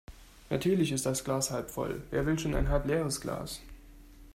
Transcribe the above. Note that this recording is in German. Natürlich ist das Glas halb voll. Wer will schon ein halb leeres Glas?